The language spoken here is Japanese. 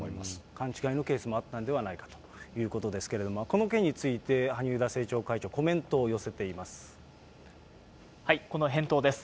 勘違いのケースもあったんではないかということですけれども、この件について、萩生田政調会長、コメントを寄せています。